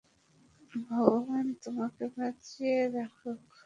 ভগবান তোমাকে বাঁচিয়ে রাখুক।